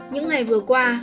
những ngày vừa qua